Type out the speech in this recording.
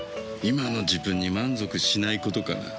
今の自分に満足しないことかな。